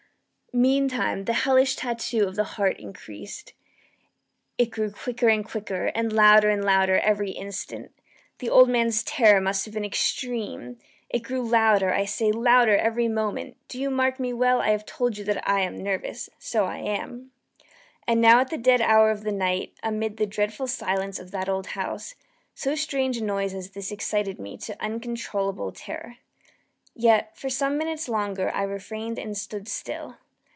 Meantime the hellish tattoo of the heart increased. It grew quicker and quicker, and louder and louder every instant. The old man's terror must have been extreme! It grew louder, I say, louder every moment! do you mark me well I have told you that I am nervous: so I am. And now at the dead hour of the night, amid the dreadful silence of that old house, so strange a noise as this excited me to uncontrollable terror. Yet, for some minutes longer I refrained and stood still.